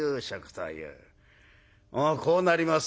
こうなります